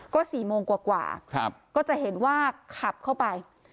ก็สี่โมงกว่ากว่าครับก็จะเห็นว่าขับเข้าไป